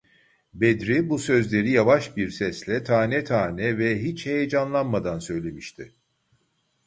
Bedri bu sözleri yavaş bir sesle, tane tane ve hiç heyecanlanmadan söylemişti.